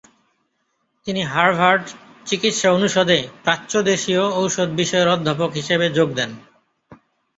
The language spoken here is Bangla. তিনি হার্ভার্ড চিকিৎসা অনুষদে প্রাচ্য দেশিয় ঔষধ বিষয়ের অধ্যাপক হিসেবে যোগ দেন।